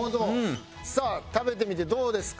さあ食べてみてどうですか？